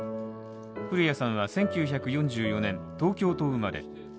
古谷さんは１９４４年、東京都生まれ。